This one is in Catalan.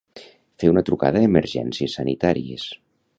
Fer una trucada a Emergències Sanitàries.